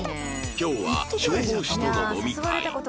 今日は消防士との飲み会